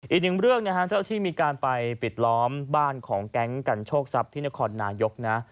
อีกหนึ่งเรื่องนะฮะเจ้าที่มีการไปปิดล้อมบ้านของแก๊งกันโชคทรัพย์ที่นครนายกนะ